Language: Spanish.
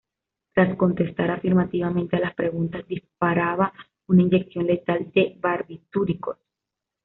Tras contestar afirmativamente a las preguntas, disparaba una inyección letal de barbitúricos.